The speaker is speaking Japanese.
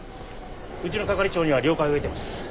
うちの係長には了解を得てます。